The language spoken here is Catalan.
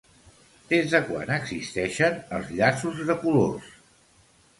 Des de quan existeixen els llaços de colors?